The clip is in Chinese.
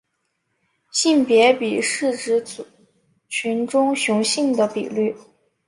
性别比是指族群中雄性的比率。